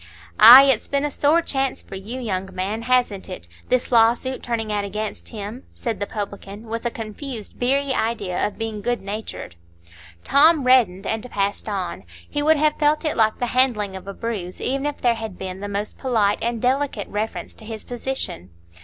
"Ay, it's been a sore chance for you, young man, hasn't it,—this lawsuit turning out against him?" said the publican, with a confused, beery idea of being good natured. Tom reddened and passed on; he would have felt it like the handling of a bruise, even if there had been the most polite and delicate reference to his position.